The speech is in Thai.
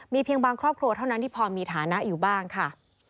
เพียงบางครอบครัวเท่านั้นที่พอมีฐานะอยู่บ้างค่ะ